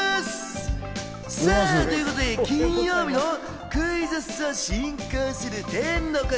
さぁ、ということで金曜日のクイズッスを進行する天の声